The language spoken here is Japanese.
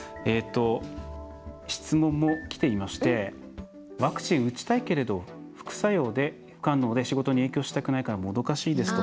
質問もきていましてワクチン打ちたいけれど副作用副反応で仕事に影響したくないから難しいですと。